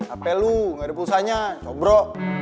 ap lu gak ada pulsanya cobro